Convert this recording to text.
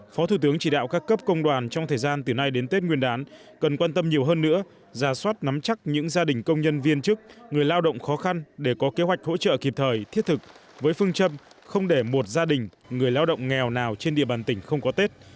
phó thủ tướng chỉ đạo các cấp công đoàn trong thời gian từ nay đến tết nguyên đán cần quan tâm nhiều hơn nữa giả soát nắm chắc những gia đình công nhân viên chức người lao động khó khăn để có kế hoạch hỗ trợ kịp thời thiết thực với phương châm không để một gia đình người lao động nghèo nào trên địa bàn tỉnh không có tết